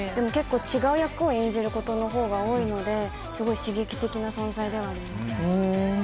結構違う役を演じることのほうが多いのですごい刺激的な存在ではあります。